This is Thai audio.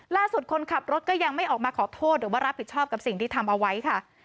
คนขับรถก็ยังไม่ออกมาขอโทษหรือว่ารับผิดชอบกับสิ่งที่ทำเอาไว้ค่ะ